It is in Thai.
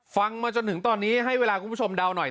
มาจนถึงตอนนี้ให้เวลาคุณผู้ชมเดาหน่อย